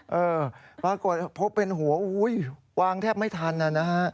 พบว่าเป็นหัววางแทบไม่ทันนะ